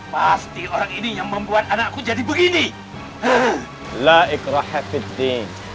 pasti orang ini yang membuat anakku jadi begini